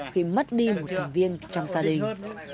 khi mất đi một thành viên trong gia đình